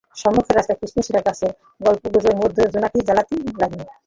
সম্মুখের রাস্তায় কৃষ্ণচূড়া গাছের পল্লবপুঞ্জের মধ্যে জোনাকি জ্বলিতে লাগিল।